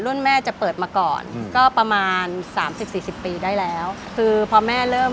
แม่จะเปิดมาก่อนก็ประมาณสามสิบสี่สิบปีได้แล้วคือพอแม่เริ่ม